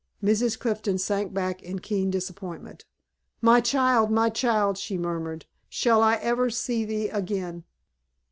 Mrs. Clifton sank back, in keen disappointment. "My child, my child!" she murmured. "Shall I ever see thee again?"